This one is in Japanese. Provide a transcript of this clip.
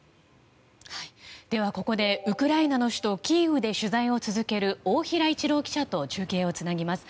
ではここで、ウクライナの首都キーウで取材を続ける大平一郎記者と中継をつなげます。